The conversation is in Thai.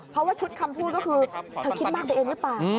เพราะว่าชุดคำพูดก็คือเธอคิดมากไปเองหรือเปล่า